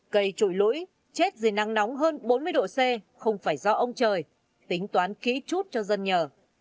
cây trụi lũi chết vì nắng nóng hơn bốn mươi độ c không phải do ông trời tính toán kỹ chút cho dân nhờ